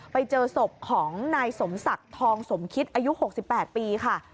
ไปเจอศพของนายสมศักดิ์ทองสมคิดอายุ๖๘ปีค่ะ